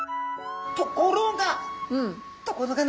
ところが！